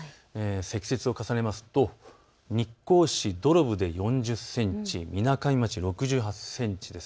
積雪を重ねますと日光市土呂部で４０センチみなかみ町６８センチです。